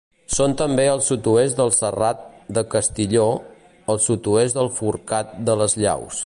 Són també al sud-oest del Serrat de Castilló, al sud-oest del Forcat de les Llaus.